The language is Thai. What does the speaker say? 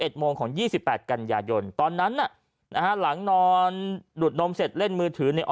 โมงของยี่สิบแปดกันยายนตอนนั้นน่ะนะฮะหลังนอนดูดนมเสร็จเล่นมือถือเนี่ย